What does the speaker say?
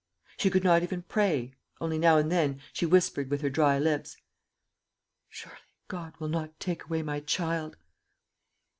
She could not even pray only now and then, she whispered with her dry lips, "Surely God will not take away my child!"